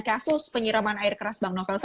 kasus penyiraman air keras bank novel